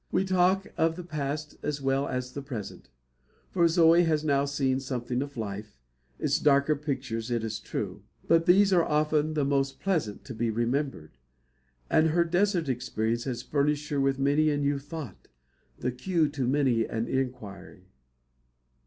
We talk of the past as well as the present; for Zoe has now seen something of life, its darker pictures it is true; but these are often the most pleasant to be remembered; and her desert experience has furnished her with many a new thought the cue to many an inquiry.